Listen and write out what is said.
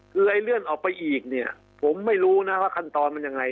คือไอ้เลื่อนออกไปอีกเนี่ยผมไม่รู้นะว่าขั้นตอนมันยังไง